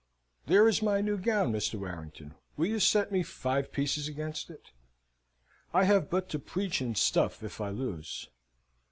There is my new gown, Mr. Warrington. Will you set me five pieces against it? I have but to preach in stuff if I lose.